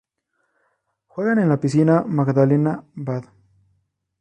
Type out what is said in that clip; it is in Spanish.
Juegan en la piscina "Magdalena Bad".